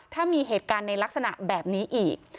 ถ้ามีเหตุการณ์ในลักษณะแบบนี้อีก